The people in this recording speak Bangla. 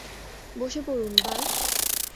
বসে পড়ুন, বাজ।